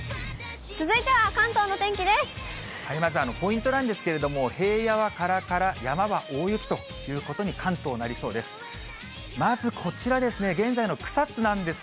まずポイントなんですけれども、平野はからから、山は大雪ということに関東なりそうです。